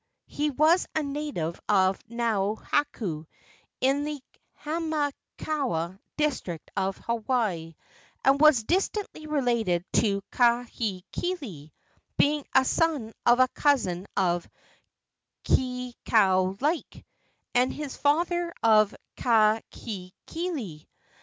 He was a native of Naohaku, in the Hamakua district of Hawaii, and was distantly related to Kahekili, being a son of a cousin of Kekaulike, the father of Kahekili.